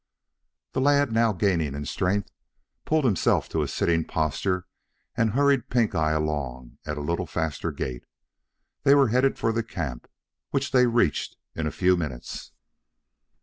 The lad now gaining in strength, pulled himself to a sitting posture and hurried Pink eye along at a little faster gait. They were headed for the camp, which they reached in a few minutes.